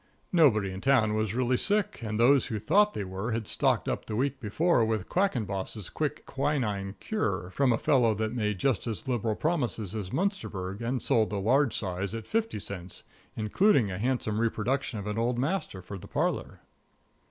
Nobody in town was really sick, and those who thought they were had stocked up the week before with Quackenboss' Quick Quinine Kure from a fellow that made just as liberal promises as Munsterberg and sold the large size at fifty cents, including a handsome reproduction of an old master for the parlor.